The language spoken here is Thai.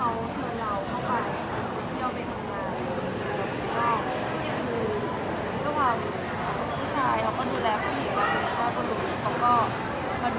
อะไรก็อย่างน้ำลังก็ไม่ต้องตอบ